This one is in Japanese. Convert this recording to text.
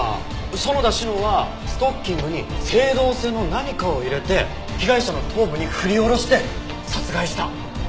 園田志乃はストッキングに青銅製の何かを入れて被害者の頭部に振り下ろして殺害した。